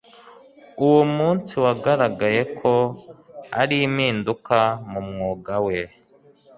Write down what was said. uwo munsi wagaragaye ko ari impinduka mu mwuga we